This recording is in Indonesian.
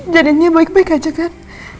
jalannya baik baik aja kan